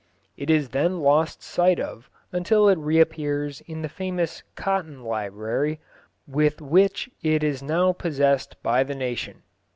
It is then lost sight of until it reappears in the famous Cotton Library, with which it is now possessed by the nation.